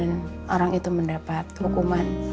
dan orang itu mendapat hukuman